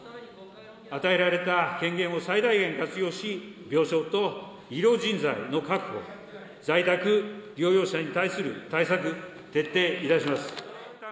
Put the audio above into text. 与えられた権限を最大限活用し、病床と医療人材の確保、在宅療養者に対する対策を徹底いたします。